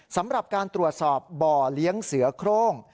สำหรับการตรวจสอบบ่อเลี้ยงเสือโครง